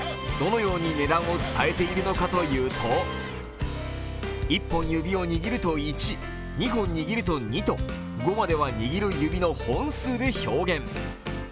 どのように値段を伝えていくのかというと１本指を握ると１、２本握ると２と５までは握る指の本数で表現。